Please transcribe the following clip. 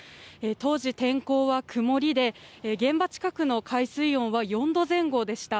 当時、天候は曇りで現場近くの海水温は４度前後でした。